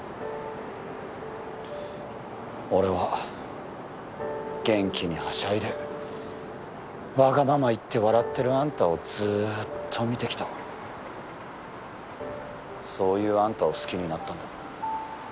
俺は元気にはしゃいでわがまま言って笑ってるあんたをずーっと見てきたそういうあんたを好きになったんだ